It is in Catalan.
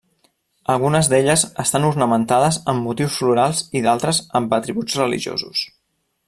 Algunes d'elles estan ornamentades amb motius florals i d'altres amb atributs religiosos.